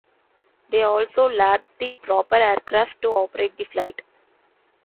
They also lacked the proper aircraft to operate the flight.